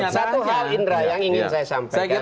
satu hal indra yang ingin saya sampaikan